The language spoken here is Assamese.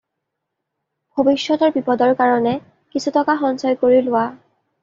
ভবিষ্যতৰ বিপদৰ কাৰণে কিছু টকা সঞ্চয় কৰি লোৱা